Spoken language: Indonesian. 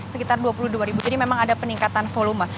sekitar dua puluh dua ribu jadi memang ada peningkatan volume